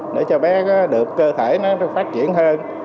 để cho bé được cơ thể nó phát triển hơn